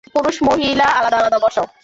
পুরুষ-মহিলা আলাদা আলাদা বসাও।